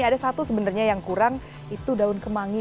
ada satu sebenarnya yang kurang itu daun kemangi